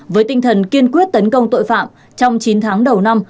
với tinh thần kiên quyết tấn công tội phạm trong chín tháng đầu năm